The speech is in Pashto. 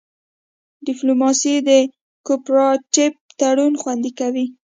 ډیپلوماسي د کوپراتیف تړون خوندي کوي